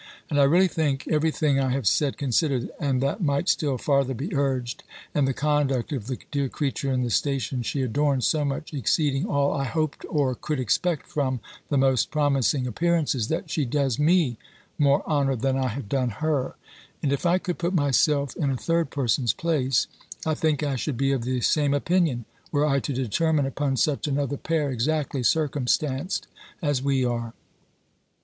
And I really think (every thing I have said considered, and that might still farther be urged, and the conduct of the dear creature in the station she adorns, so much exceeding all I hoped or could expect from the most promising appearances), that she does me more honour than I have done her; and if I could put myself in a third person's place, I think I should be of the same opinion, were I to determine upon such another pair, exactly circumstanced as we are."